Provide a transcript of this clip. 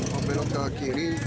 mau belok ke kiri